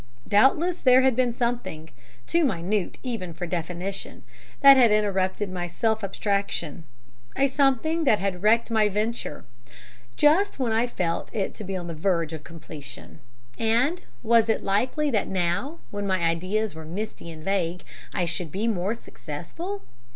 Doubtless there had been a something too minute even for definition that had interrupted my self abstraction a something that had wrecked my venture, just when I felt it to be on the verge of completion. And was it likely that now, when my ideas were misty and vague, I should be more successful?